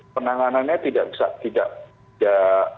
penanganannya tidak bisa